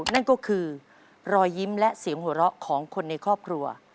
นั่นก็คือรอยยิ้มและเสียงหัวเราะของคนในครอบครัว